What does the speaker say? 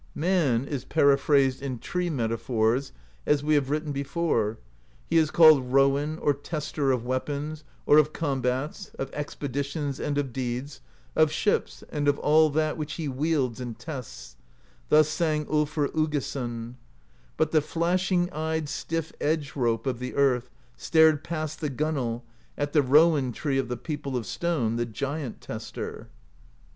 Man is periphrased in tree metaphors, as we have written before; he is called Rowan, or Tester, of Weapons, or of Combats, of Expeditions and of Deeds, of Ships, and of all that which he wields and tests; thus sang tJlfr Uggason : But the flashing eyed stiff Edge Rope Of the Earth stared past the gunwale At the Rowan Tree of the people Of Stone, the Giant Tester.